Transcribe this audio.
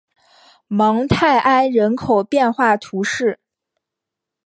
芒泰埃人口变化图示